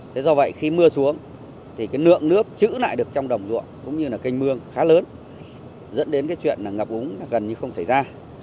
thế do vậy khi mưa xuống thì cái lượng nước chữ lại được trong đồng ruộng cũng như là canh mương khá lớn dẫn đến cái chuyện là ngập úng gần như không xảy ra